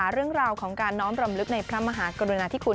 เรื่องราวของการน้อมรำลึกในพระมหากรุณาธิคุณ